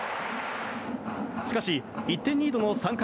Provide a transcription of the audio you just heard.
しかし、１点リードの３回。